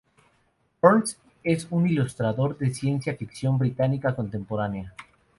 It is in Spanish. Burns es un ilustrador de ciencia ficción británica contemporánea.